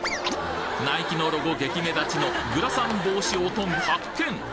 ナイキのロゴ激目立ちのグラサン帽子オトン発見！